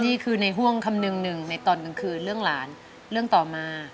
นี่คือในห่วงคำนึงหนึ่งในตอนกลางคืนเรื่องหลานเรื่องต่อมา